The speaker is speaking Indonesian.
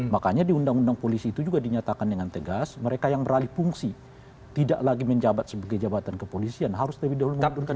makanya di undang undang polisi itu juga dinyatakan dengan tegas mereka yang beralih fungsi tidak lagi menjabat sebagai jabatan kepolisian harus lebih dahulu mengundurkan